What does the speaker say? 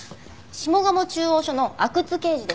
下鴨中央署の阿久津刑事です。